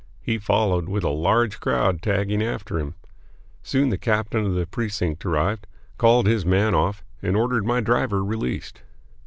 He followed, with a large crowd tagging after him. Soon the captain of the precinct arrived, called his man off, and ordered my driver released.